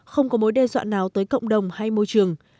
không có mối đe dọa nào tới cộng đồng hay môi trường